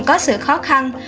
có sự khó khăn